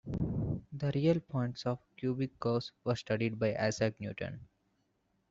The real points of cubic curves were studied by Isaac Newton.